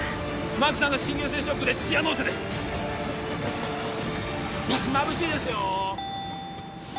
真紀さんが心原性ショックでチアノーゼですまぶしいですよ